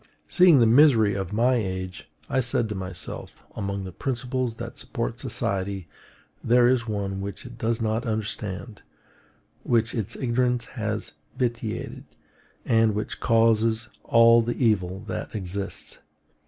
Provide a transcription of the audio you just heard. Seeing the misery of my age, I said to myself: Among the principles that support society, there is one which it does not understand, which its ignorance has vitiated, and which causes all the evil that exists.